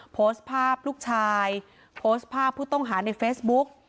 โพสต์ภาพลูกชายโพสต์ภาพผู้ต้องหาในเฟซบุ๊ก